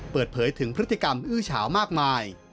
เปิดเผยถึงพฤติกรรมอื้อเฉามากมาย